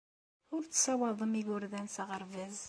Ur tessawaḍem igerdan s aɣerbaz.